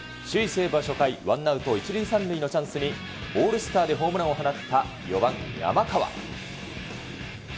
西武は初回、ワンアウト１塁３塁のチャンスにオールスターでホームランを放った４番山川。